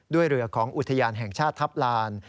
ด้วยเรือของอุทยานแห่งชาติทัพลาน